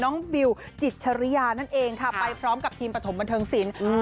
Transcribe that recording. บิวจิตชริยานั่นเองค่ะไปพร้อมกับทีมประถมบันเทิงศิลป์